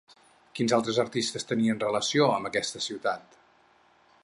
Quins altres artistes tenien relació amb aquesta ciutat?